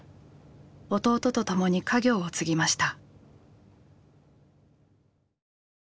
弟とともに家業を継ぎました。